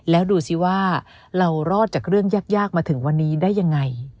แล้วดูสิว่าเรารอดจากเรื่องยากมาถึงวันนี้ได้ยังไง